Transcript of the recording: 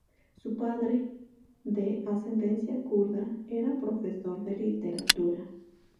Su padre, de ascendencia kurda, era profesor de literatura.